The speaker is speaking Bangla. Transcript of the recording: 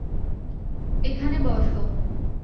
এখানে বসো।